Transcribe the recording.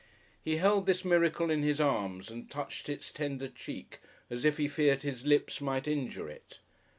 He held this miracle in his arms and touched its tender cheek as if he feared his lips might injure it.